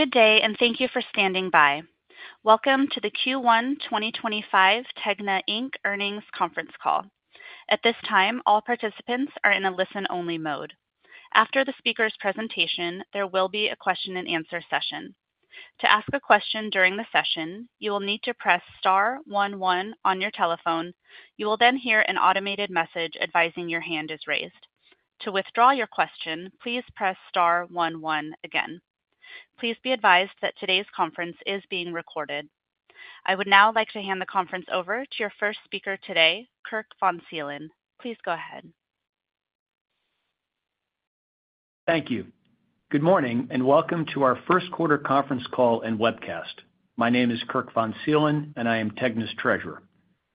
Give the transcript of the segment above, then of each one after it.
Good day, and thank you for standing by. Welcome to the Q1 2025 TEGNA earnings conference call. At this time, all participants are in a listen-only mode. After the speaker's presentation, there will be a question-and-answer session. To ask a question during the session, you will need to press star 11 on your telephone. You will then hear an automated message advising your hand is raised. To withdraw your question, please press star 11 again. Please be advised that today's conference is being recorded. I would now like to hand the conference over to your first speaker today, Kirk von Seelen. Please go ahead. Thank you. Good morning, and welcome to our first quarter conference call and webcast. My name is Kirk von Seelen, and I am TEGNA's Treasurer.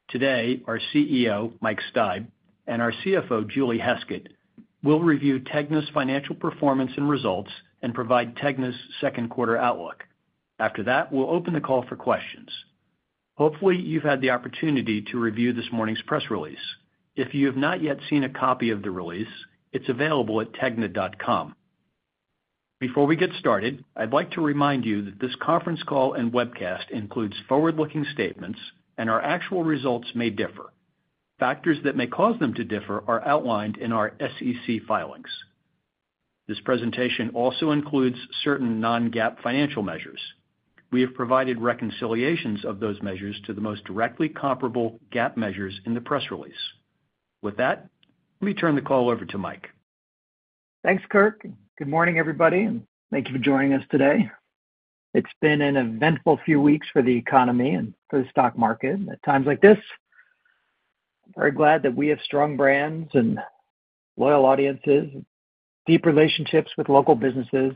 Today, our CEO, Mike Steib, and our CFO, Julie Heskett, will review TEGNA's financial performance and results and provide TEGNA's second quarter outlook. After that, we'll open the call for questions. Hopefully, you've had the opportunity to review this morning's press release. If you have not yet seen a copy of the release, it's available at tegna.com. Before we get started, I'd like to remind you that this conference call and webcast includes forward-looking statements, and our actual results may differ. Factors that may cause them to differ are outlined in our SEC filings. This presentation also includes certain non-GAAP financial measures. We have provided reconciliations of those measures to the most directly comparable GAAP measures in the press release. With that, let me turn the call over to Mike. Thanks, Kirk. Good morning, everybody, and thank you for joining us today. It's been an eventful few weeks for the economy and for the stock market. At times like this, I'm very glad that we have strong brands and loyal audiences, deep relationships with local businesses,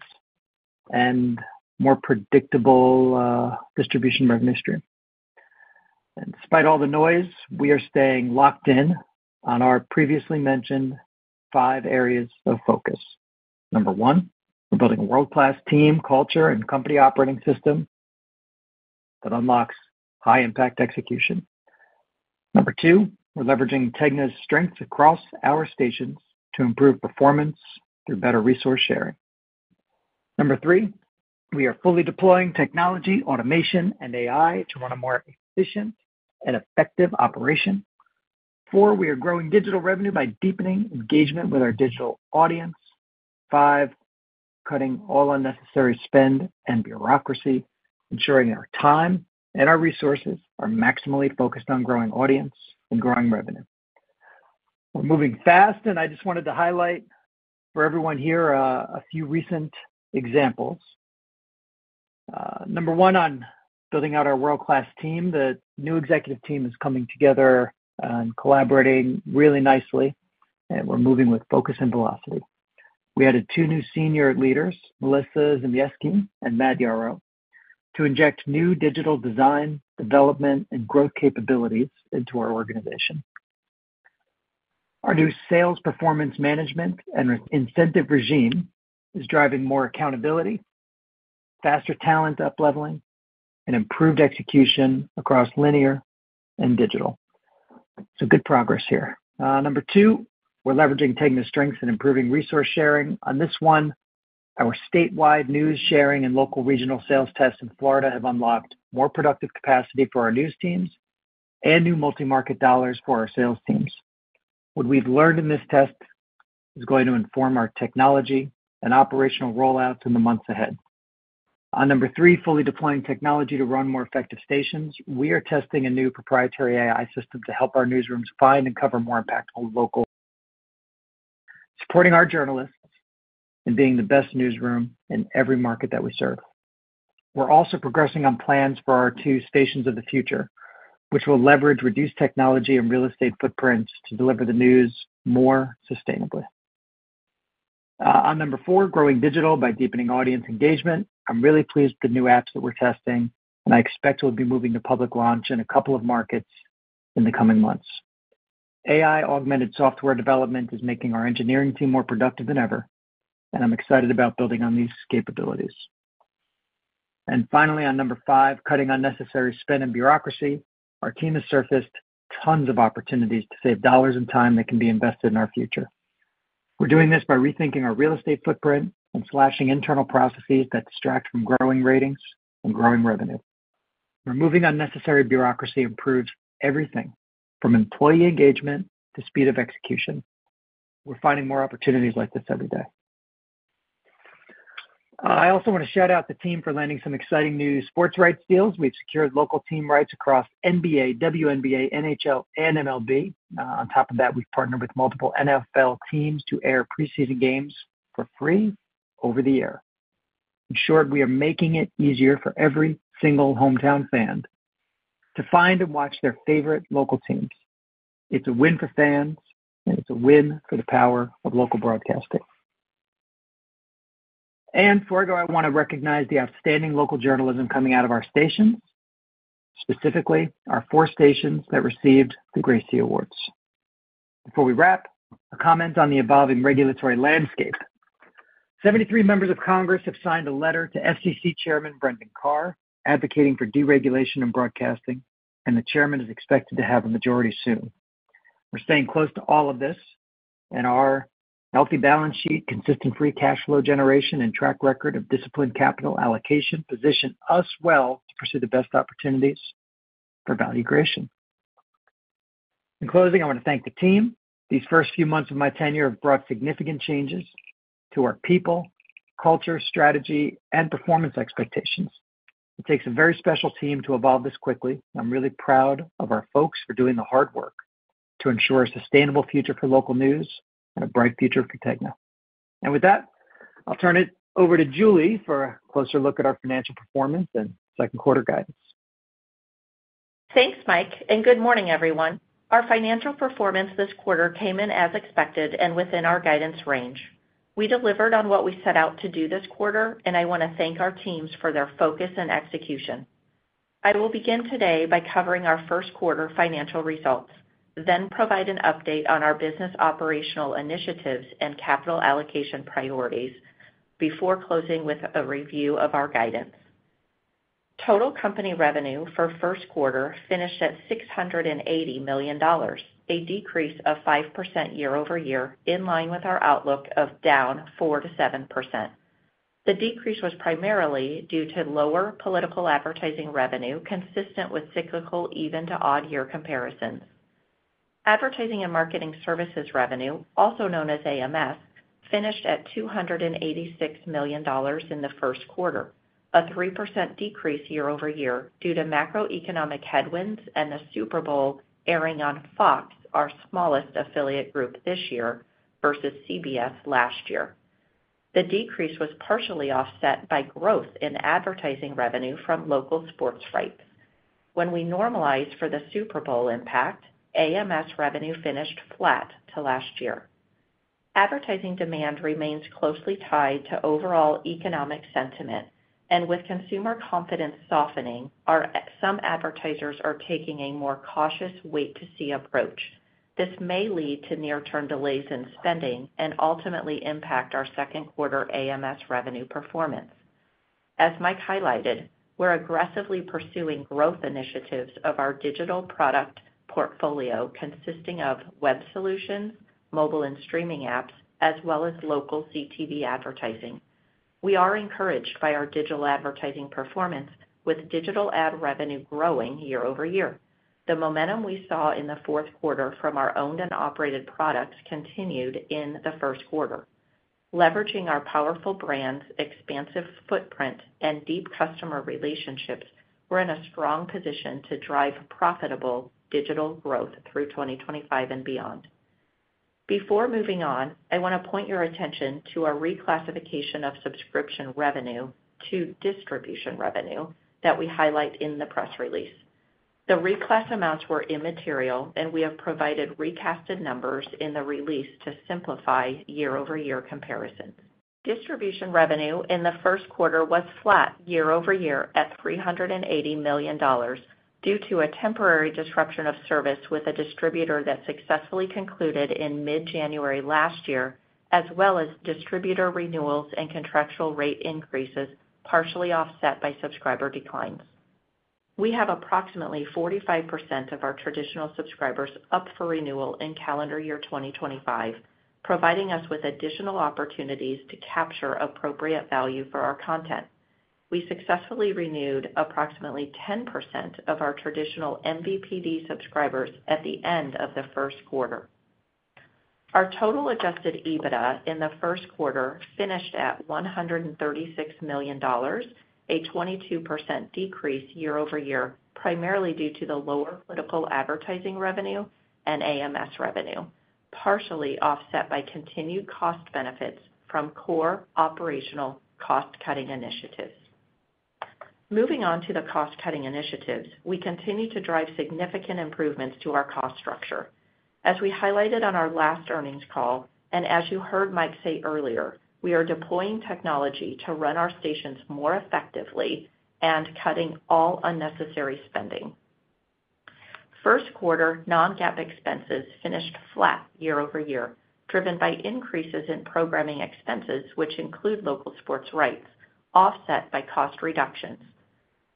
and a more predictable distribution revenue stream. Despite all the noise, we are staying locked in on our previously mentioned five areas of focus. Number one, we're building a world-class team, culture, and company operating system that unlocks high-impact execution. Number two, we're leveraging TEGNA's strengths across our stations to improve performance through better resource sharing. Number three, we are fully deploying technology, automation, and AI to run a more efficient and effective operation. Four, we are growing digital revenue by deepening engagement with our digital audience. Five, cutting all unnecessary spend and bureaucracy, ensuring our time and our resources are maximally focused on growing audience and growing revenue. We're moving fast, and I just wanted to highlight for everyone here a few recent examples. Number one, on building out our world-class team, the new executive team is coming together and collaborating really nicely, and we're moving with focus and velocity. We added two new senior leaders, Melissa Zimieski and Matt Yarrow, to inject new digital design, development, and growth capabilities into our organization. Our new sales performance management and incentive regime is driving more accountability, faster talent upleveling, and improved execution across linear and digital. Good progress here. Number two, we're leveraging TEGNA's strengths and improving resource sharing. On this one, our statewide news sharing and local regional sales tests in Florida have unlocked more productive capacity for our news teams and new multi-market dollars for our sales teams. What we've learned in this test is going to inform our technology and operational rollouts in the months ahead. On number three, fully deploying technology to run more effective stations, we are testing a new proprietary AI system to help our newsrooms find and cover more impactful local news, supporting our journalists and being the best newsroom in every market that we serve. We're also progressing on plans for our two stations of the future, which will leverage reduced technology and real estate footprints to deliver the news more sustainably. On number four, growing digital by deepening audience engagement. I'm really pleased with the new apps that we're testing, and I expect we'll be moving to public launch in a couple of markets in the coming months. AI-augmented software development is making our engineering team more productive than ever, and I'm excited about building on these capabilities. Finally, on number five, cutting unnecessary spend and bureaucracy, our team has surfaced tons of opportunities to save dollars and time that can be invested in our future. We're doing this by rethinking our real estate footprint and slashing internal processes that distract from growing ratings and growing revenue. Removing unnecessary bureaucracy improves everything from employee engagement to speed of execution. We're finding more opportunities like this every day. I also want to shout out the team for landing some exciting new sports rights deals. We've secured local team rights across NBA, WNBA, NHL, and MLB. On top of that, we've partnered with multiple NFL teams to air preseason games for free over the air. In short, we are making it easier for every single hometown fan to find and watch their favorite local teams. It's a win for fans, and it's a win for the power of local broadcasting. Before I go, I want to recognize the outstanding local journalism coming out of our stations, specifically our four stations that received the Gracie Awards. Before we wrap, a comment on the evolving regulatory landscape. Seventy-three members of Congress have signed a letter to FCC Chairman Brendan Carr advocating for deregulation in broadcasting, and the Chairman is expected to have a majority soon. We're staying close to all of this, and our healthy balance sheet, consistent free cash flow generation, and track record of disciplined capital allocation position us well to pursue the best opportunities for value creation. In closing, I want to thank the team. These first few months of my tenure have brought significant changes to our people, culture, strategy, and performance expectations. It takes a very special team to evolve this quickly, and I'm really proud of our folks for doing the hard work to ensure a sustainable future for local news and a bright future for TEGNA. With that, I'll turn it over to Julie for a closer look at our financial performance and second quarter guidance. Thanks, Mike, and good morning, everyone. Our financial performance this quarter came in as expected and within our guidance range. We delivered on what we set out to do this quarter, and I want to thank our teams for their focus and execution. I will begin today by covering our first quarter financial results, then provide an update on our business operational initiatives and capital allocation priorities before closing with a review of our guidance. Total company revenue for first quarter finished at $680 million, a decrease of 5% year over year, in line with our outlook of down 4%-7%. The decrease was primarily due to lower political advertising revenue consistent with cyclical even-to-odd-year comparisons. Advertising and marketing services revenue, also known as AMS, finished at $286 million in the first quarter, a 3% decrease year over year due to macroeconomic headwinds and the Super Bowl airing on Fox, our smallest affiliate group this year, versus CBS last year. The decrease was partially offset by growth in advertising revenue from local sports rights. When we normalize for the Super Bowl impact, AMS revenue finished flat to last year. Advertising demand remains closely tied to overall economic sentiment, and with consumer confidence softening, some advertisers are taking a more cautious wait-to-see approach. This may lead to near-term delays in spending and ultimately impact our second quarter AMS revenue performance. As Mike highlighted, we're aggressively pursuing growth initiatives of our digital product portfolio consisting of web solutions, mobile and streaming apps, as well as local CTV advertising. We are encouraged by our digital advertising performance, with digital ad revenue growing year over year. The momentum we saw in the fourth quarter from our owned and operated products continued in the first quarter. Leveraging our powerful brands, expansive footprint, and deep customer relationships, we're in a strong position to drive profitable digital growth through 2025 and beyond. Before moving on, I want to point your attention to our reclassification of subscription revenue to distribution revenue that we highlight in the press release. The reclass amounts were immaterial, and we have provided recasted numbers in the release to simplify year-over-year comparisons. Distribution revenue in the first quarter was flat year over year at $380 million due to a temporary disruption of service with a distributor that successfully concluded in mid-January last year, as well as distributor renewals and contractual rate increases partially offset by subscriber declines. We have approximately 45% of our traditional subscribers up for renewal in calendar year 2025, providing us with additional opportunities to capture appropriate value for our content. We successfully renewed approximately 10% of our traditional MVPD subscribers at the end of the first quarter. Our total adjusted EBITDA in the first quarter finished at $136 million, a 22% decrease year over year, primarily due to the lower political advertising revenue and AMS revenue, partially offset by continued cost benefits from core operational cost-cutting initiatives. Moving on to the cost-cutting initiatives, we continue to drive significant improvements to our cost structure. As we highlighted on our last earnings call, and as you heard Mike say earlier, we are deploying technology to run our stations more effectively and cutting all unnecessary spending. First quarter non-GAAP expenses finished flat year over year, driven by increases in programming expenses, which include local sports rights, offset by cost reductions.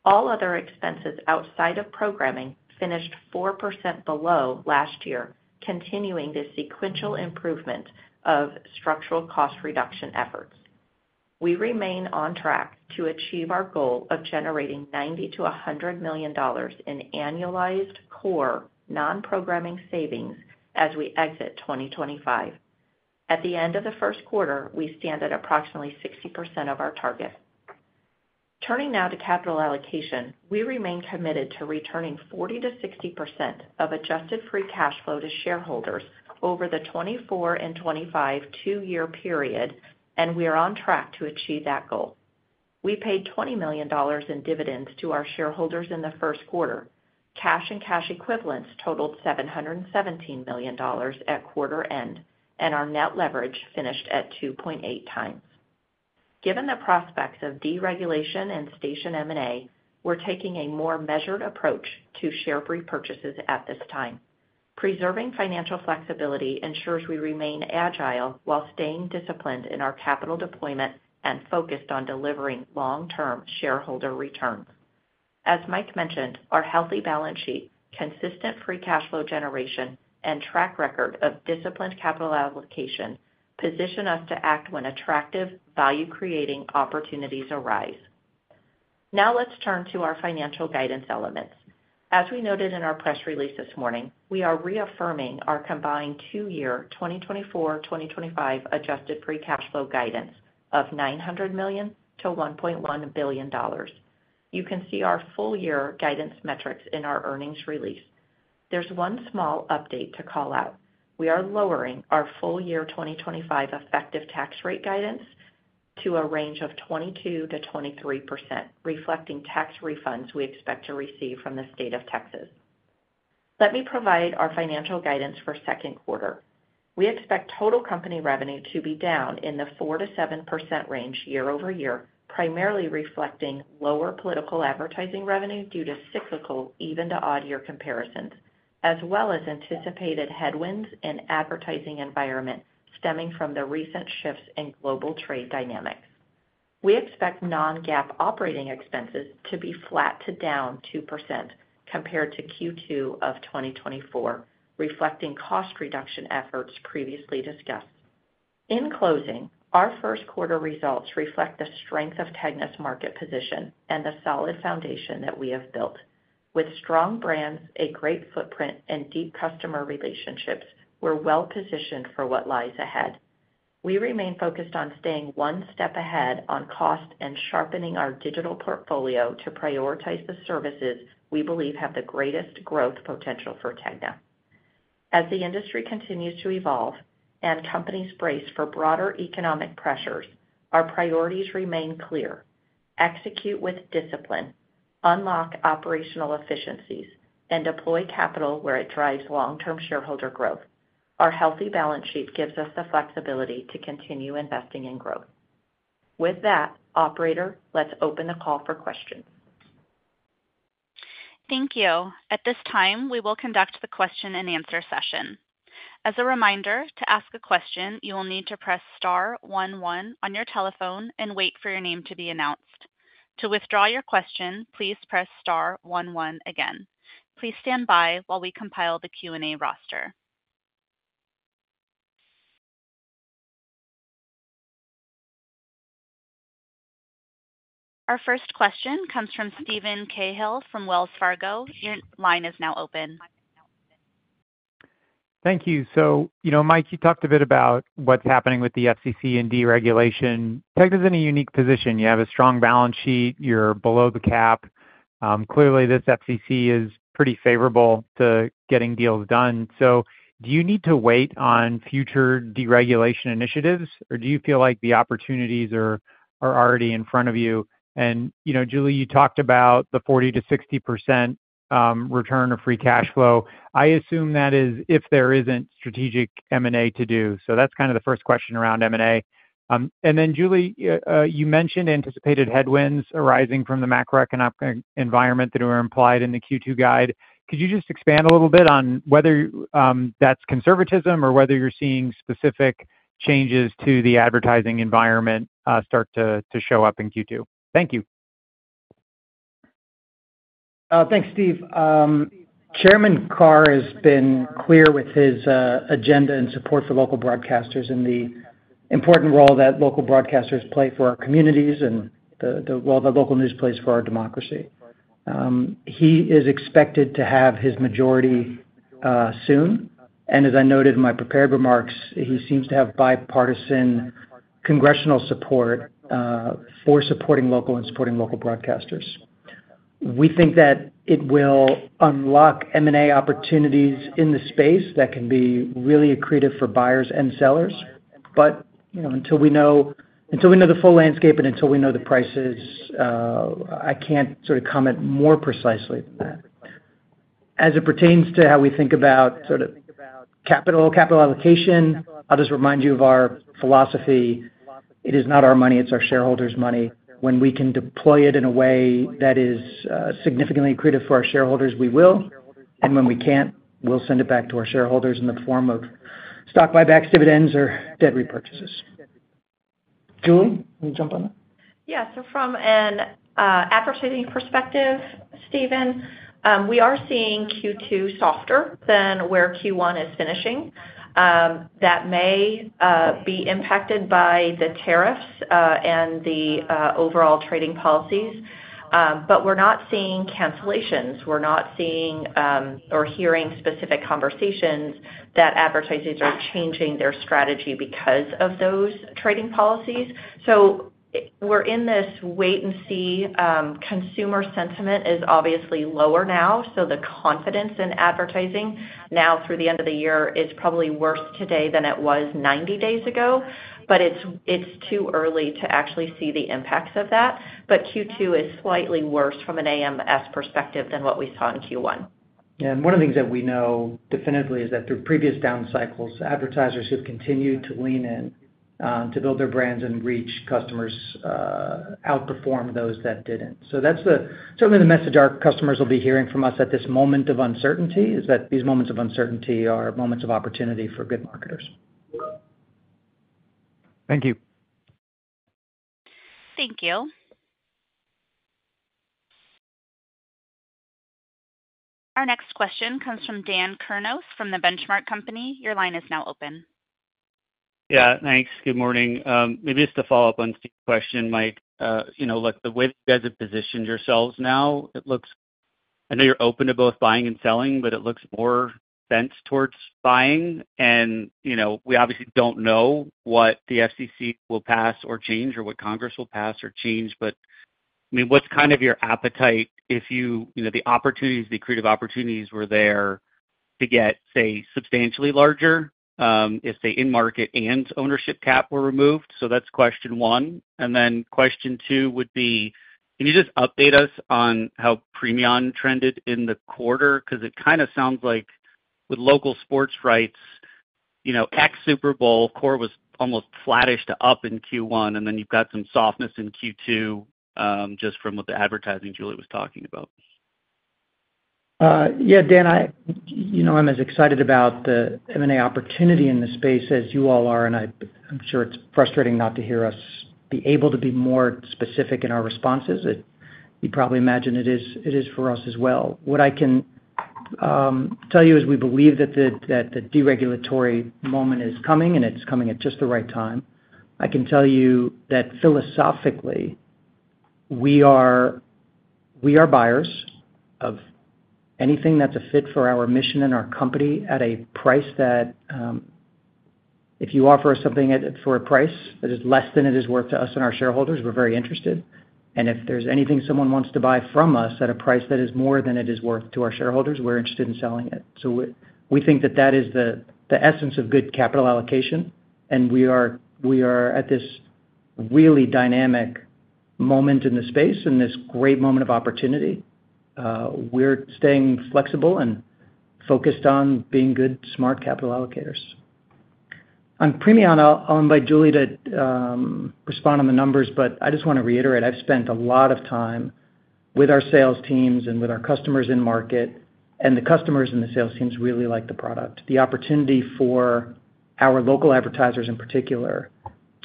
All other expenses outside of programming finished 4% below last year, continuing the sequential improvement of structural cost reduction efforts. We remain on track to achieve our goal of generating $90-$100 million in annualized core non-programming savings as we exit 2025. At the end of the first quarter, we stand at approximately 60% of our target. Turning now to capital allocation, we remain committed to returning 40-60% of adjusted free cash flow to shareholders over the 2024 and 2025 two-year period, and we are on track to achieve that goal. We paid $20 million in dividends to our shareholders in the first quarter. Cash and cash equivalents totaled $717 million at quarter end, and our net leverage finished at 2.8 times. Given the prospects of deregulation and station M&A, we're taking a more measured approach to share repurchases at this time. Preserving financial flexibility ensures we remain agile while staying disciplined in our capital deployment and focused on delivering long-term shareholder returns. As Mike mentioned, our healthy balance sheet, consistent free cash flow generation, and track record of disciplined capital allocation position us to act when attractive value-creating opportunities arise. Now let's turn to our financial guidance elements. As we noted in our press release this morning, we are reaffirming our combined two-year 2024-2025 adjusted free cash flow guidance of $900 million-$1.1 billion. You can see our full-year guidance metrics in our earnings release. There's one small update to call out. We are lowering our full-year 2025 effective tax rate guidance to a range of 22%-23%, reflecting tax refunds we expect to receive from the state of Texas. Let me provide our financial guidance for second quarter. We expect total company revenue to be down in the 4%-7% range year over year, primarily reflecting lower political advertising revenue due to cyclical even-to-odd-year comparisons, as well as anticipated headwinds in advertising environment stemming from the recent shifts in global trade dynamics. We expect non-GAAP operating expenses to be flat to down 2% compared to Q2 of 2024, reflecting cost reduction efforts previously discussed. In closing, our first quarter results reflect the strength of TEGNA's market position and the solid foundation that we have built. With strong brands, a great footprint, and deep customer relationships, we're well positioned for what lies ahead. We remain focused on staying one step ahead on cost and sharpening our digital portfolio to prioritize the services we believe have the greatest growth potential for TEGNA. As the industry continues to evolve and companies brace for broader economic pressures, our priorities remain clear: execute with discipline, unlock operational efficiencies, and deploy capital where it drives long-term shareholder growth. Our healthy balance sheet gives us the flexibility to continue investing in growth. With that, Operator, let's open the call for questions. Thank you. At this time, we will conduct the question-and-answer session. As a reminder, to ask a question, you will need to press star 11 on your telephone and wait for your name to be announced. To withdraw your question, please press star 11 again. Please stand by while we compile the Q&A roster. Our first question comes from Steven Cahall from Wells Fargo. Your line is now open. Thank you. So, you know, Mike, you talked a bit about what's happening with the FCC and deregulation. TEGNA is in a unique position. You have a strong balance sheet. You're below the cap. Clearly, this FCC is pretty favorable to getting deals done. Do you need to wait on future deregulation initiatives, or do you feel like the opportunities are already in front of you? And, you know, Julie, you talked about the 40%-60% return of free cash flow. I assume that is if there isn't strategic M&A to do. That's kind of the first question around M&A. Then, Julie, you mentioned anticipated headwinds arising from the macroeconomic environment that were implied in the Q2 guide. Could you just expand a little bit on whether that's conservatism or whether you're seeing specific changes to the advertising environment start to show up in Q2? Thank you. Thanks, Steve. Chairman Carr has been clear with his agenda and support for local broadcasters and the important role that local broadcasters play for our communities and the role that local news plays for our democracy. He is expected to have his majority soon. As I noted in my prepared remarks, he seems to have bipartisan congressional support for supporting local and supporting local broadcasters. We think that it will unlock M&A opportunities in the space that can be really accretive for buyers and sellers. You know, until we know the full landscape and until we know the prices, I cannot sort of comment more precisely than that. As it pertains to how we think about sort of capital, capital allocation, I will just remind you of our philosophy. It is not our money. It is our shareholders' money. When we can deploy it in a way that is significantly accretive for our shareholders, we will. When we can't, we'll send it back to our shareholders in the form of stock buybacks, dividends, or debt repurchases. Julie, will you jump on that? Yeah. From an advertising perspective, Steven, we are seeing Q2 softer than where Q1 is finishing. That may be impacted by the tariffs and the overall trading policies. We are not seeing cancellations. We are not seeing or hearing specific conversations that advertisers are changing their strategy because of those trading policies. We are in this wait-and-see. Consumer sentiment is obviously lower now. The confidence in advertising now through the end of the year is probably worse today than it was 90 days ago. It is too early to actually see the impacts of that. Q2 is slightly worse from an AMS perspective than what we saw in Q1. Yeah. One of the things that we know definitively is that through previous down cycles, advertisers have continued to lean in to build their brands and reach customers outperform those that did not. That is certainly the message our customers will be hearing from us at this moment of uncertainty, is that these moments of uncertainty are moments of opportunity for good marketers. Thank you. Thank you. Our next question comes from Dan Kernos from The Benchmark Company. Your line is now open. Yeah. Thanks. Good morning. Maybe just to follow up on Steve's question, Mike, you know, like the way that you guys have positioned yourselves now, it looks, I know you're open to both buying and selling, but it looks more bent towards buying. You know, we obviously don't know what the FCC will pass or change or what Congress will pass or change. I mean, what's kind of your appetite if you, you know, the opportunities, the accretive opportunities were there to get, say, substantially larger if, say, in-market and ownership cap were removed? That's question one. Question two would be, can you just update us on how Premium trended in the quarter? Because it kind of sounds like with local sports rights, you know, ex-Super Bowl, Core was almost flattish to up in Q1, and then you've got some softness in Q2 just from what the advertising Julie was talking about. Yeah, Dan, I, you know, I'm as excited about the M&A opportunity in the space as you all are, and I'm sure it's frustrating not to hear us be able to be more specific in our responses. You probably imagine it is for us as well. What I can tell you is we believe that the deregulatory moment is coming, and it's coming at just the right time. I can tell you that philosophically, we are buyers of anything that's a fit for our mission and our company at a price that if you offer us something at for a price that is less than it is worth to us and our shareholders, we're very interested. If there's anything someone wants to buy from us at a price that is more than it is worth to our shareholders, we're interested in selling it. We think that that is the essence of good capital allocation. We are at this really dynamic moment in the space, in this great moment of opportunity. We're staying flexible and focused on being good, smart capital allocators. On Premium, I'll invite Julie to respond on the numbers, but I just want to reiterate, I've spent a lot of time with our sales teams and with our customers in market, and the customers and the sales teams really like the product. The opportunity for our local advertisers in particular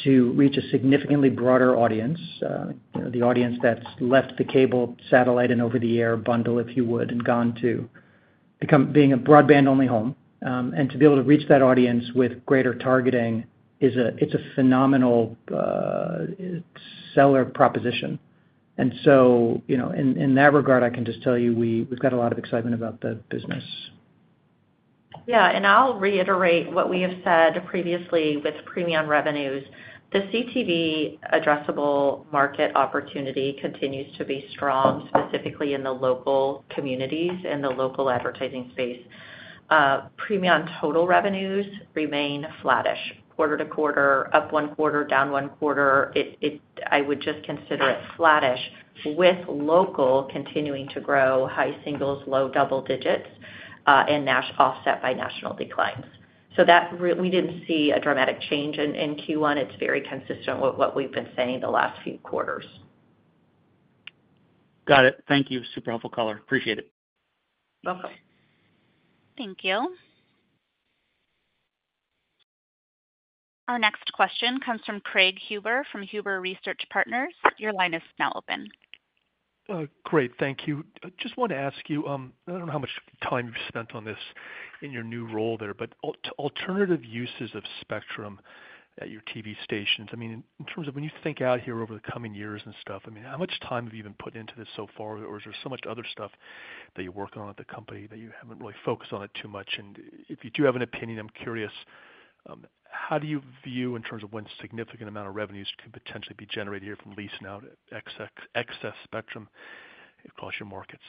to reach a significantly broader audience, you know, the audience that's left the cable, satellite, and over-the-air bundle, if you would, and gone to become being a broadband-only home. To be able to reach that audience with greater targeting, it's a phenomenal seller proposition. You know, in that regard, I can just tell you we've got a lot of excitement about the business. Yeah. I'll reiterate what we have said previously with Premium revenues. The CTV addressable market opportunity continues to be strong, specifically in the local communities and the local advertising space. Premium total revenues remain flattish. Quarter to quarter, up one quarter, down one quarter, I would just consider it flattish, with local continuing to grow, high singles, low double digits, and offset by national declines. We didn't see a dramatic change in Q1. It's very consistent with what we've been saying the last few quarters. Got it. Thank you. Super helpful, caller. Appreciate it. Welcome. Thank you. Our next question comes from Craig Huber from Huber Research Partners. Your line is now open. Great. Thank you. Just want to ask you, I don't know how much time you've spent on this in your new role there, but alternative uses of spectrum at your TV stations. I mean, in terms of when you think out here over the coming years and stuff, I mean, how much time have you been put into this so far, or is there so much other stuff that you're working on at the company that you haven't really focused on it too much? If you do have an opinion, I'm curious, how do you view in terms of when significant amount of revenues could potentially be generated here from leasing out excess spectrum across your markets?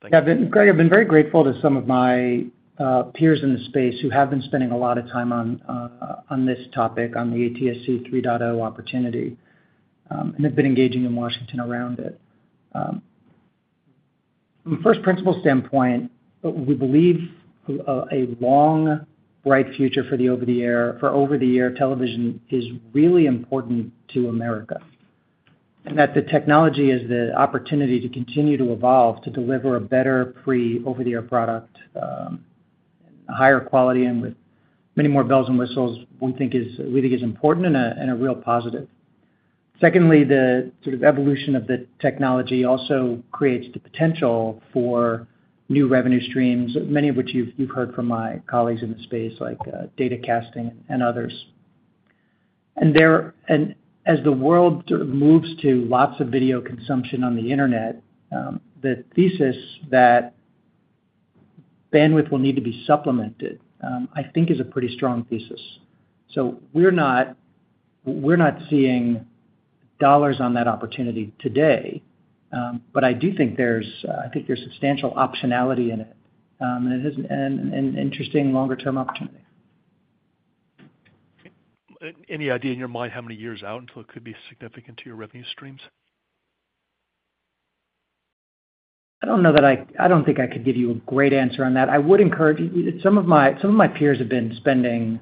Thank you. Yeah. Craig, I've been very grateful to some of my peers in the space who have been spending a lot of time on this topic, on the ATSC 3.0 opportunity, and have been engaging in Washington around it. From a first principle standpoint, we believe a long bright future for the over-the-air television is really important to America and that the technology is the opportunity to continue to evolve to deliver a better pre-over-the-air product and higher quality and with many more bells and whistles, we think is important and a real positive. Secondly, the sort of evolution of the technology also creates the potential for new revenue streams, many of which you've heard from my colleagues in the space, like data casting and others. As the world sort of moves to lots of video consumption on the internet, the thesis that bandwidth will need to be supplemented, I think, is a pretty strong thesis. We are not seeing dollars on that opportunity today. I do think there is substantial optionality in it, and it has an interesting longer-term opportunity. Any idea in your mind how many years out until it could be significant to your revenue streams? I don't know that I don't think I could give you a great answer on that. I would encourage some of my peers have been spending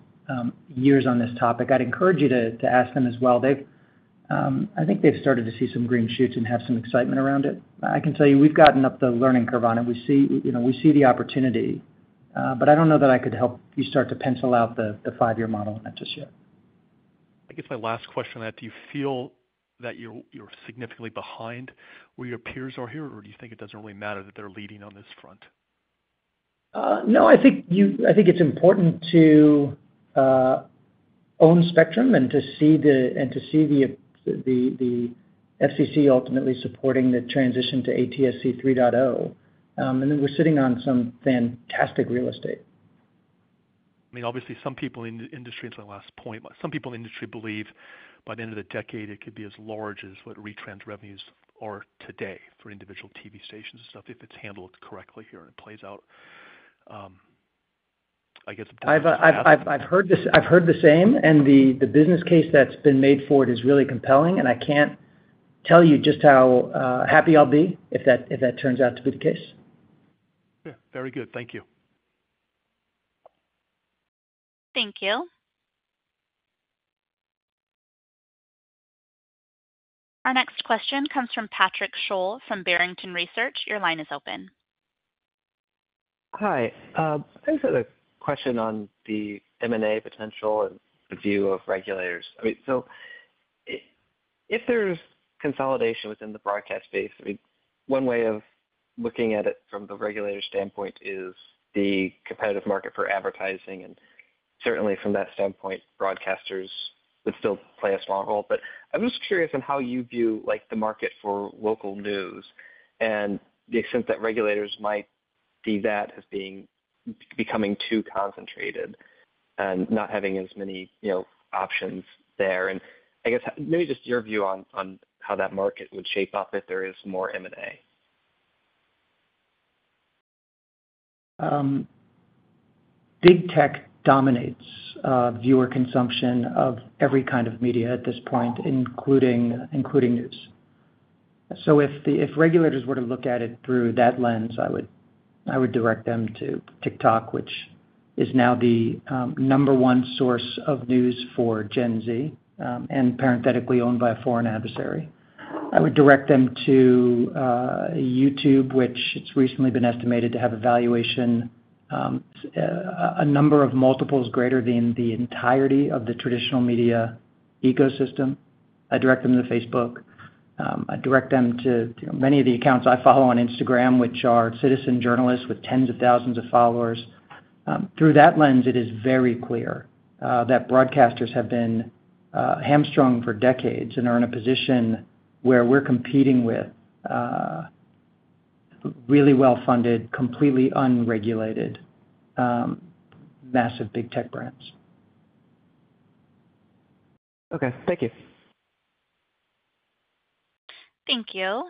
years on this topic. I'd encourage you to ask them as well. I think they've started to see some green shoots and have some excitement around it. I can tell you we've gotten up the learning curve on it. We see the opportunity. I don't know that I could help you start to pencil out the five-year model on that just yet. I guess my last question on that, do you feel that you're significantly behind where your peers are here, or do you think it doesn't really matter that they're leading on this front? No, I think it's important to own spectrum and to see the FCC ultimately supporting the transition to ATSC 3.0. And then we're sitting on some fantastic real estate. I mean, obviously, some people in the industry, it's my last point, some people in the industry believe by the end of the decade, it could be as large as what retrans revenues are today for individual TV stations and stuff if it's handled correctly here and it plays out, I guess. I've heard the same. The business case that's been made for it is really compelling. I can't tell you just how happy I'll be if that turns out to be the case. Yeah. Very good. Thank you. Thank you. Our next question comes from Patrick Scholl from Barrington Research. Your line is open. Hi. I just had a question on the M&A potential and view of regulators. I mean, if there's consolidation within the broadcast space, I mean, one way of looking at it from the regulator's standpoint is the competitive market for advertising. Certainly, from that standpoint, broadcasters would still play a strong role. I'm just curious on how you view the market for local news and the extent that regulators might see that as becoming too concentrated and not having as many options there. I guess maybe just your view on how that market would shape up if there is more M&A. Big tech dominates viewer consumption of every kind of media at this point, including news. If regulators were to look at it through that lens, I would direct them to TikTok, which is now the number one source of news for Gen Z and parenthetically owned by a foreign adversary. I would direct them to YouTube, which has recently been estimated to have a valuation a number of multiples greater than the entirety of the traditional media ecosystem. I'd direct them to Facebook. I'd direct them to many of the accounts I follow on Instagram, which are citizen journalists with tens of thousands of followers. Through that lens, it is very clear that broadcasters have been hamstrung for decades and are in a position where we're competing with really well-funded, completely unregulated, massive big tech brands. Okay. Thank you. Thank you.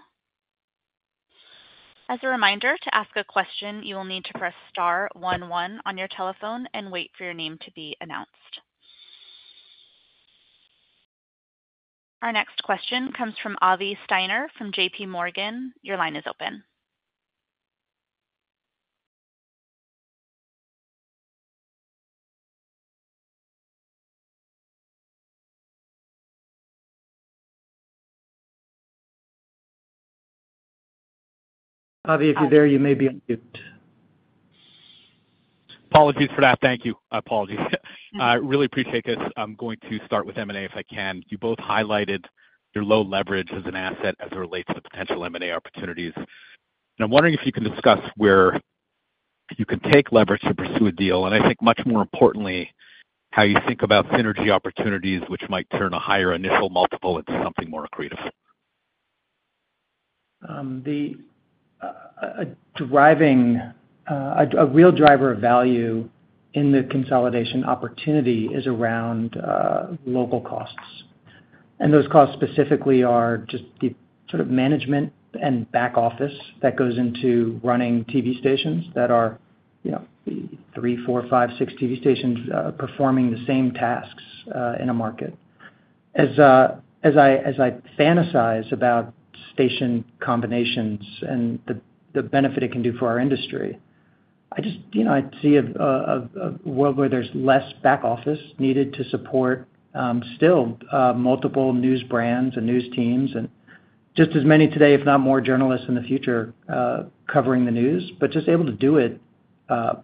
As a reminder, to ask a question, you will need to press star 11 on your telephone and wait for your name to be announced. Our next question comes from Avi Steiner from JP Morgan. Your line is open. Avi, if you're there, you may be on mute. Apologies for that. Thank you. Apologies. I really appreciate this. I'm going to start with M&A if I can. You both highlighted your low leverage as an asset as it relates to the potential M&A opportunities. I'm wondering if you can discuss where you can take leverage to pursue a deal. I think, much more importantly, how you think about synergy opportunities, which might turn a higher initial multiple into something more accretive. A real driver of value in the consolidation opportunity is around local costs. Those costs specifically are just the sort of management and back office that goes into running TV stations that are three, four, five, six TV stations performing the same tasks in a market. As I fantasize about station combinations and the benefit it can do for our industry, I just see a world where there is less back office needed to support still multiple news brands and news teams and just as many today, if not more journalists in the future covering the news, but just able to do it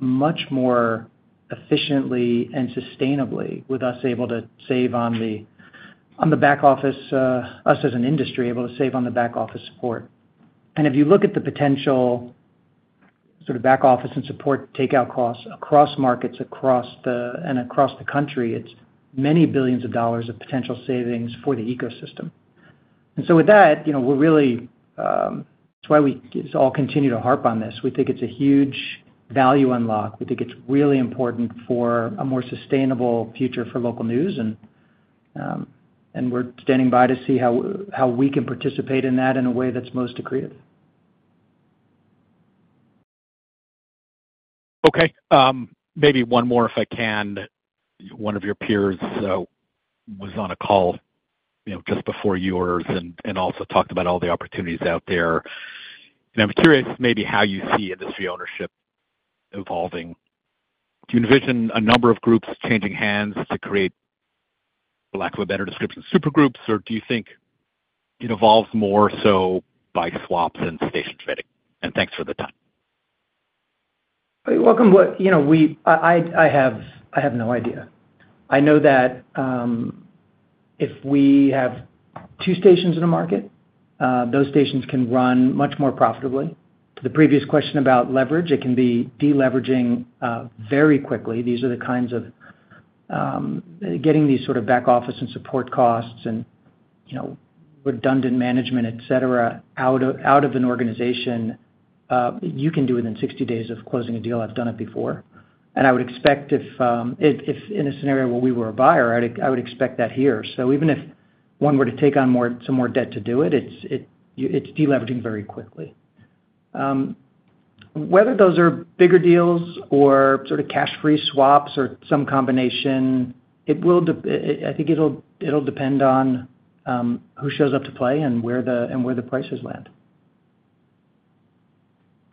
much more efficiently and sustainably with us able to save on the back office, us as an industry able to save on the back office support. If you look at the potential sort of back office and support takeout costs across markets and across the country, it's many billions of dollars of potential savings for the ecosystem. With that, we're really—it is why we all continue to harp on this. We think it's a huge value unlock. We think it's really important for a more sustainable future for local news. We're standing by to see how we can participate in that in a way that's most accretive. Okay. Maybe one more if I can. One of your peers was on a call just before yours and also talked about all the opportunities out there. I'm curious maybe how you see industry ownership evolving. Do you envision a number of groups changing hands to create, for lack of a better description, supergroups, or do you think it evolves more so by swaps and station trading? Thanks for the time. You're welcome. I have no idea. I know that if we have two stations in a market, those stations can run much more profitably. To the previous question about leverage, it can be deleveraging very quickly. These are the kinds of getting these sort of back office and support costs and redundant management, etc., out of an organization. You can do it in 60 days of closing a deal. I've done it before. I would expect if in a scenario where we were a buyer, I would expect that here. Even if one were to take on some more debt to do it, it's deleveraging very quickly. Whether those are bigger deals or sort of cash-free swaps or some combination, I think it'll depend on who shows up to play and where the prices land.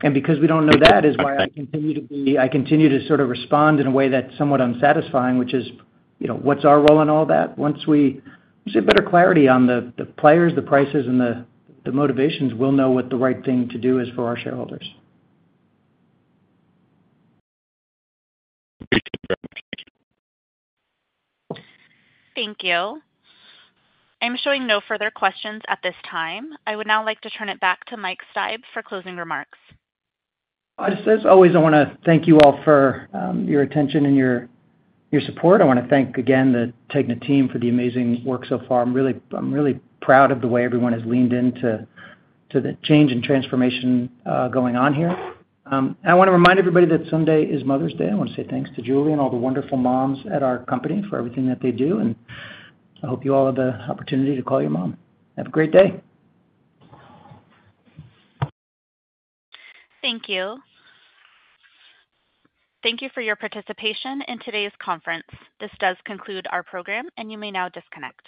Because we don't know, that is why I continue to be—I continue to sort of respond in a way that's somewhat unsatisfying, which is, what's our role in all that? Once we have better clarity on the players, the prices, and the motivations, we'll know what the right thing to do is for our shareholders. Thank you. Thank you. I'm showing no further questions at this time. I would now like to turn it back to Mike Steib for closing remarks. As always, I want to thank you all for your attention and your support. I want to thank again the TEGNA team for the amazing work so far. I'm really proud of the way everyone has leaned into the change and transformation going on here. I want to remind everybody that Sunday is Mother's Day. I want to say thanks to Julie and all the wonderful moms at our company for everything that they do. I hope you all have the opportunity to call your mom. Have a great day. Thank you. Thank you for your participation in today's conference. This does conclude our program, and you may now disconnect.